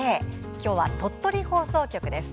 今日は鳥取放送局です。